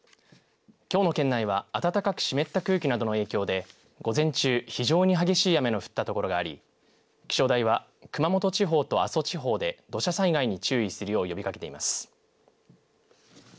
きょうの県内は暖かく湿った空気などの影響で午前中、非常に激しい雨の降った所があり気象台は熊本地方と阿蘇地方で土砂災害に注意するよう呼びかけています。